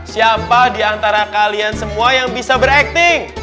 siapa diantara kalian semua yang bisa beracting